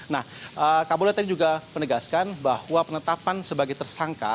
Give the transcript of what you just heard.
nah kapolda tadi juga menegaskan bahwa penetapan sebagai tersangka